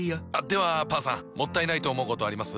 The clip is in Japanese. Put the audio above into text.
ではパンさんもったいないと思うことあります？